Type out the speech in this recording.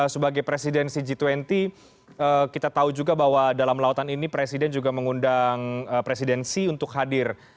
sebagai presidensi g dua puluh kita tahu juga bahwa dalam lautan ini presiden juga mengundang presidensi untuk hadir